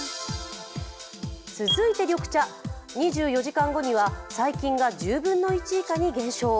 続いて緑茶、２４時間後には細菌が１０分の１に減少。